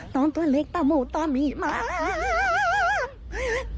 น้องตัวเล็กตาหมูตาหมีมาก